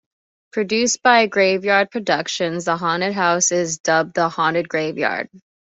Produced by Graveyard Productions, the haunted house is dubbed The Haunted Graveyard.